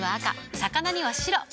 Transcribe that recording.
魚には白。